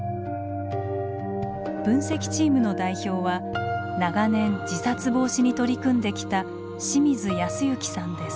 分析チームの代表は長年自殺防止に取り組んできた清水康之さんです。